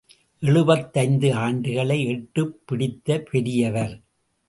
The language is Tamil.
எழுபத்தைந்து ஆண்டுகளை எட்டிப் பிடித்த பெரியவர்.